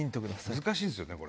難しいですよね、これ。